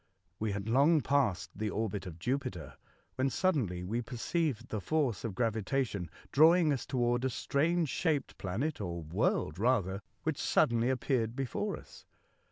We had long passed the orbit of Jupiter, when suddenly we perceived the force of gravi tation drawing us toward a strange shaped planet,, or world rather, which suddenly ap peared near us.